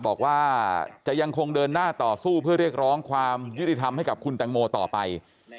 บอกว่าจะยังคงเดินหน้าต่อสู้เพื่อเรียกร้องความยุติธรรมให้กับคุณแตงโมต่อไป